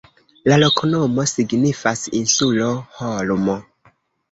La loknomo signifas: insulo-holmo.